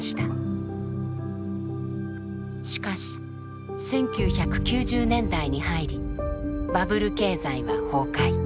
しかし１９９０年代に入りバブル経済は崩壊。